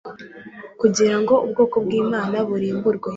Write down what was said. kugira ngo ubwoko bwImana burimburwe